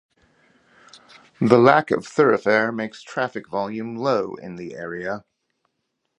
The lack of thoroughfare makes traffic volume low in the area.